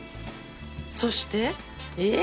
そしてええっ！？